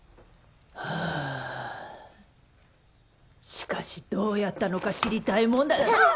しかしどうやったのか知りたいもんだうわぁ！